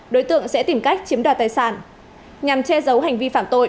đối tượng sẽ tìm cách chiếm đoạt tài sản